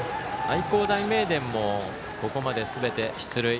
愛工大名電もここまですべて出塁。